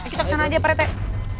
kita kesana aja pak retek